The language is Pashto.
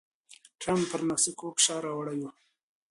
ټرمپ پر مکسیکو فشار راوړی و.